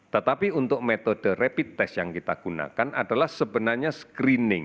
tetapi untuk metode rapid test yang kita gunakan adalah sebenarnya screening